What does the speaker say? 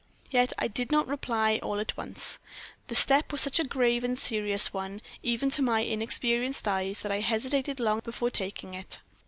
Yet I did not reply all at once. The step was such a grave and serious one, even to my inexperienced eyes, that I hesitated long before taking it.